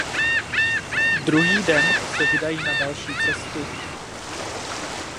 Druhý den se vydají na další cestu.